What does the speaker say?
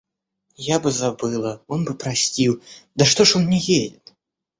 Я бы забыла, он бы простил... Да что ж он не едет?